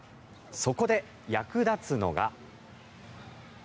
そこで役立つのが。